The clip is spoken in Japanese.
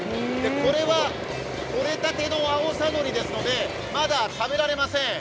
これはとれたての青さのりですので、まだ食べられません。